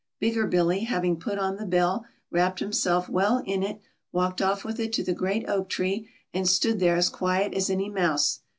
Bigger Billy having put on the bell, wrapped himself well in it, walked off with it to the great oak tree, and stood there as quiet as any mouse.